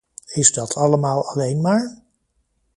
Is dat allemaal alleen maar?